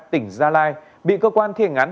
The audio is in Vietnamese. tỉnh gia lai bị cơ quan thiển án